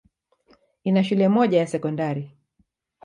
Ina shule moja ya sekondari.